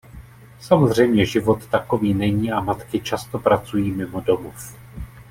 Samozřejmě život takový není a matky často pracují mimo domov.